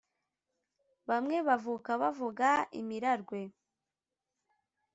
bamwe bavuka bavuga imirarwe